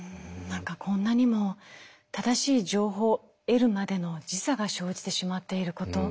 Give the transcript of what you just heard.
何かこんなにも正しい情報を得るまでの時差が生じてしまっていること。